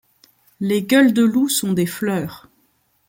Les gueules de loup sont des fleurs